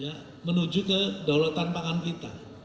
ya menuju ke daulatan pangan kita